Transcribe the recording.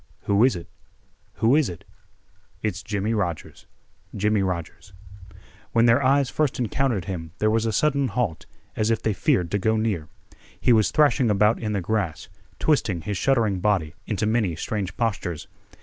"Who is it? Who is it?" "Its Jimmie Rogers. Jimmie Rogers." When their eyes first encountered him there was a sudden halt, as if they feared to go near. He was thrashing about in the grass, twisting his shuddering body into many strange postures.